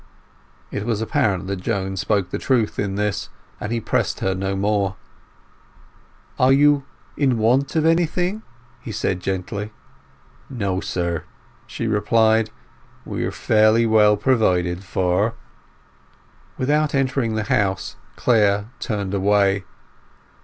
It was apparent that Joan spoke the truth in this, and he pressed her no further. "Are you in want of anything?" he said gently. "No, sir," she replied. "We are fairly well provided for." Without entering the house Clare turned away.